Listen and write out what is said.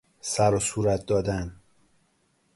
سروصورت دادن